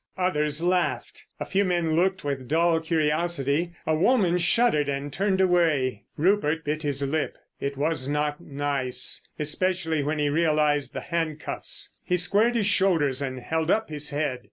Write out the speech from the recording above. Others laughed. A few men looked with dull curiosity. A woman shuddered and turned away. Rupert bit his lip. It was not nice. Especially when he realised the handcuffs. He squared his shoulders and held up his head.